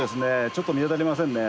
ちょっと見当たりませんね。